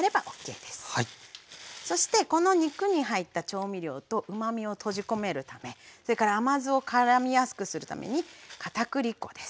そしてこの肉に入った調味料とうまみを閉じ込めるためそれから甘酢をからみやすくするために片栗粉です。